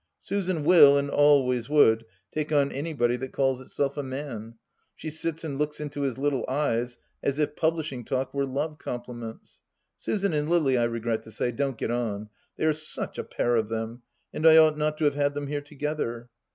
Susan will, and always would, take on anybody that calls itself a man. She sits and looks into his little eyes as if publishing talk were love compliments. Susan and Lily, I regret to say, don't get on ; they are such a pair of them, and I ought not to have had them here together.